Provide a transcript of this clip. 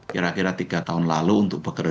kira kira tiga tahun lalu untuk bekerja